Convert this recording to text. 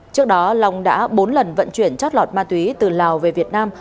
trước đó long đã bốn lần vận chuyển chót lọt ma túy từ lào về việt nam